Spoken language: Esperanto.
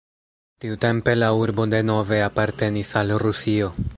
Tiutempe la urbo denove apartenis al Rusio.